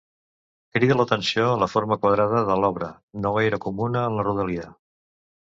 Crida l'atenció la forma quadrada de l'obra, no gaire comuna en la rodalia.